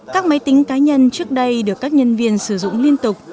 các máy tính cá nhân trước đây được các nhân viên sử dụng liên tục